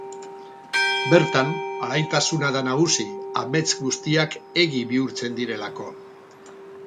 Bertan, alaitasuna da nagusi amets guztiak egi bihurtzen direlako.